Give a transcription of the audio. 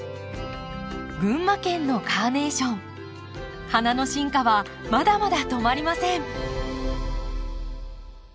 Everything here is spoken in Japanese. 群馬県のカーネーション花の進化はまだまだ止まりません。